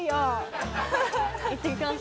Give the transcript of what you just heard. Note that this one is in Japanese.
行ってきます